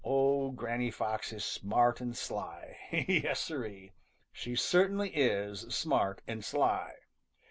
Oh, Granny Fox is smart and sly! Yes, Siree! She certainly is smart and sly.